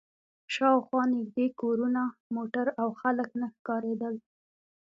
شا و خوا نږدې کورونه، موټر او خلک نه ښکارېدل.